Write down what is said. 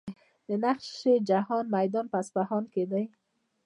د نقش جهان میدان په اصفهان کې دی.